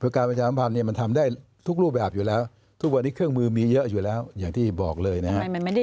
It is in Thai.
คือการประชาสัมพันธ์มันทำได้ทุกรูปแบบอยู่แล้วทุกวันนี้เครื่องมือมีเยอะอยู่แล้วอย่างที่บอกเลยนะครับ